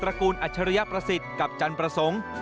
กูลอัชริยประสิทธิ์กับจันประสงค์